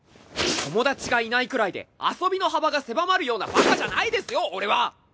友達がいないくらいで遊びの幅が狭まるようなバカじゃないですよ俺は！